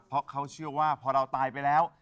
เพราะเขาเชื่อว่าพอเราตายไปแล้ว